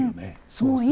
そうですね。